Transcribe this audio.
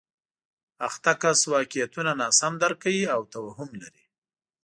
اخته کس واقعیتونه ناسم درک کوي او توهم لري